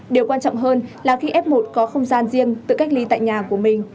điều quan trọng hơn là khi f một có không gian riêng tự cách ly tại nhà của mình